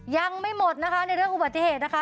ยังไม่หมดนะคะในเรื่องอุบัติเหตุนะคะ